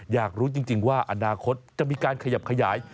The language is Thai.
อยากรู้จริงว่าอนาคตจะมีการขยับขยาย